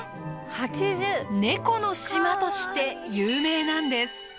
ネコの島として有名なんです。